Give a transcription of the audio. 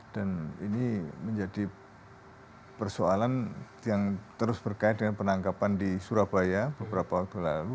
ini menjadi persoalan yang terus berkait dengan penangkapan di surabaya beberapa waktu lalu